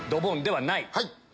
はい。